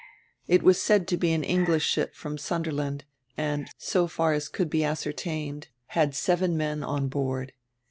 It was said to be an English ship from Sunderland and, so far as could be ascertained, had seven men on board.